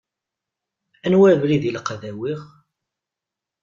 Anwa abrid i ilaq ad awiɣ?